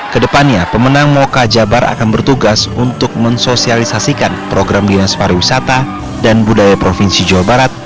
kedepannya pemenang moka jabar akan bertugas untuk mensosialisasikan program dinas pariwisata dan budaya provinsi jawa barat